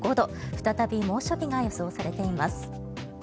再び猛暑日が予想されています。